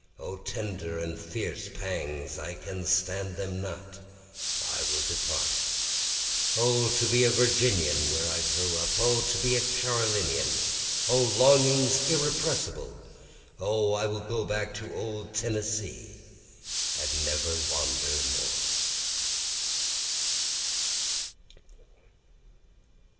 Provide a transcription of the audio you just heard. O tender and fierce pangs, I can stand them not, I will depart; O to be a Virginian where I grew up! O to be a Carolinian! O longings irrepressible! O I will go back to old Tennessee and never wander more.